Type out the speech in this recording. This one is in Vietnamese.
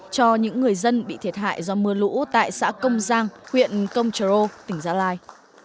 cho những người dân bị thiệt hại do mưa lũ tại xã công giang huyện công trờ rô tỉnh gia lai